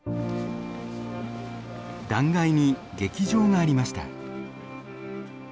断崖に劇場がありました。